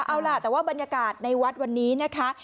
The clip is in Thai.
เอาล่ะแต่ว่าบรรยากาศในวัดวันนี้นะคะ